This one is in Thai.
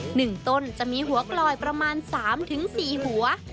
หนึ่งต้นจะมีหัวกลอยประมาณ๓๔หัว